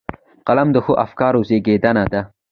قلم د ښو افکارو زېږنده ده